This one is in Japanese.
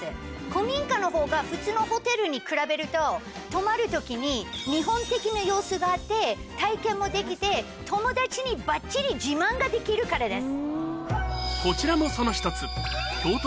古民家のほうが普通のホテルに比べると泊まる時に日本的な要素があって体験もできて友達にばっちり自慢ができるからです。